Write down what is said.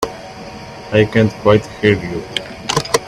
I can't quite hear you.